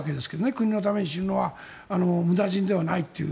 国のために死ぬのは無駄死にではないという。